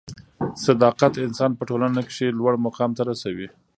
صدافت انسان په ټولنه کښي لوړ مقام ته رسوي.